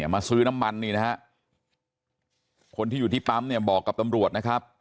มาซื้อน้ำมันนี่นะฮะคนที่อยู่ที่ปั๊มเนี่ยบอกกับตำรวจนะครับ